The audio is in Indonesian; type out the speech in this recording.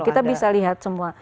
kita bisa lihat semua